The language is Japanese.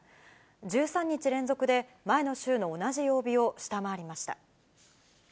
１３日連続で、前の週の同じ曜日を下回りました。